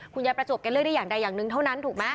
คุณยายประจวบกันเลือกได้อย่างใดอย่างนึงเท่านั้นถูกไหม